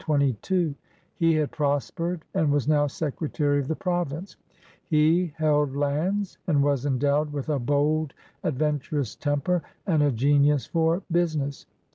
He had prospered and was now Secretary BOYAL GOVERNMENT 115 of the Province. He held lands, and was endowed with a boId> adventurous temper and a genius for business.